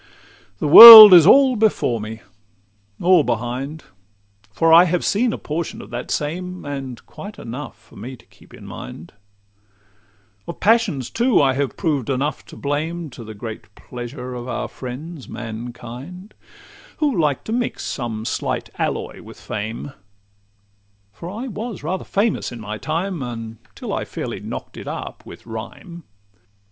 The world is all before me—or behind; For I have seen a portion of that same, And quite enough for me to keep in mind;— Of passions, too, I have proved enough to blame, To the great pleasure of our friends, mankind, Who like to mix some slight alloy with fame; For I was rather famous in my time, Until I fairly knock'd it up with rhyme.